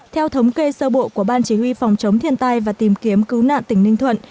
theo thống kê sơ bộ của ban chỉ huy phòng chống thiên tai và tìm kiếm cứu nạn tỉnh ninh thuận